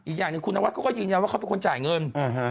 อีกอย่างหนึ่งคุณนวัดเขาก็ยืนยันว่าเขาเป็นคนจ่ายเงิน